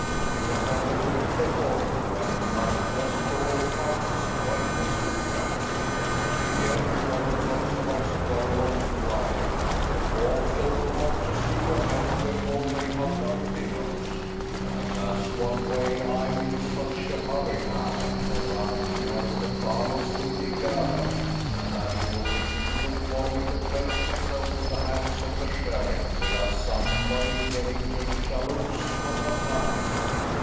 You've got a week before you, and you must just go and come as quietly as you can, and be here before the clock strikes twelve on Friday, for folk'll want to see you hanged before they have their dinners.' And that's what way I'm in such a hurry now, for I'm feared the farmers will be gathered, and that it will be difficult for me to place myself in the hands of the sheriff without somebody getting to jalouse what has happened."